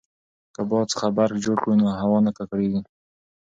که باد څخه برق جوړ کړو نو هوا نه ککړیږي.